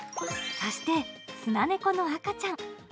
そして、スナネコの赤ちゃん。